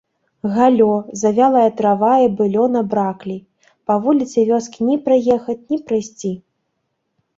Галлё, завялая трава і быллё набраклі, па вуліцы вёскі ні праехаць ні прайсці.